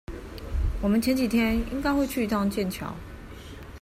我們前幾天應該會去一趟劍橋